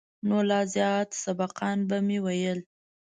نو لا زيات سبقان به مې ويل.